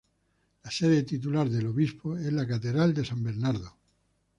La sede titular del obispo es la catedral de San Bernardo.